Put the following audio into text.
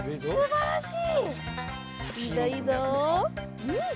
すばらしいぞ！